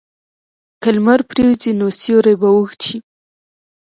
که لمر پرېوځي، نو سیوری به اوږد شي.